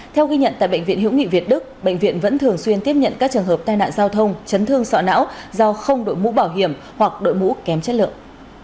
theo ghi nhận tại bệnh viện hữu nghị việt đức bệnh viện vẫn thường xuyên tiếp nhận các trường hợp tai nạn giao thông chấn thương sọ não do không đội mũ bảo hiểm hoặc đội mũ kém chất lượng